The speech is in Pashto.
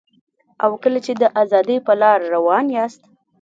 او کله چي د ازادۍ په لاره روان یاست